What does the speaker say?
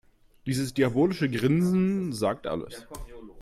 Dieses diabolische Grinsen sagt alles.